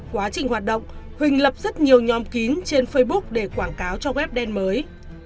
quá trình hoạt động huỳnh lập rất nhiều nhóm kín trên facebook để quảng cáo cho web đen mới